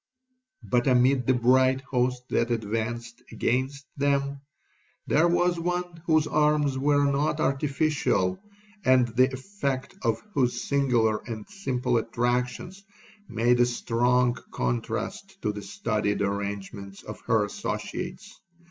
'But, amid the bright host that advanced against them, there was one whose arms were not artificial, and the effect of whose singular and simple attractions made a strong contrast to the studied arrangements of her associates.